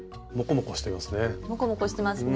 モコモコしてますね。